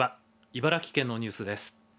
茨城県のニュースです。